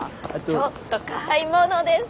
ちょっと買い物です。